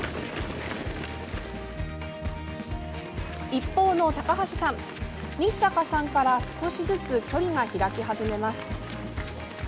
一方の高橋さん日坂さんから少しずつ距離が開き始めます。